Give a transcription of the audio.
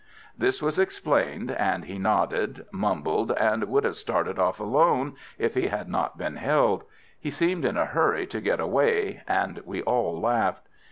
This was explained; and he nodded, mumbled, and would have started off alone if he had not been held. He seemed in a hurry to get away, and we all laughed.